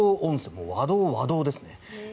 もう和銅、和銅ですね。